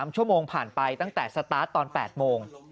๓ชั่วโมงผ่านไปตั้งแต่สตาร์ทตอน๘โมง